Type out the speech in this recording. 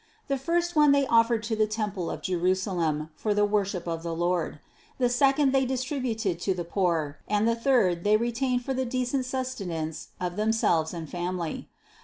The first one they offered to the temple of Jerusalem for the worship of the Lord; the second they distributed to the poor, and the third they retained for the decent sustenance of themselves and family.